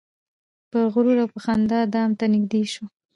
په غرور او په خندا دام ته نیژدې سو